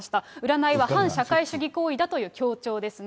占いは反社会主義行為だという強調ですね。